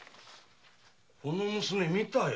この娘見たよ。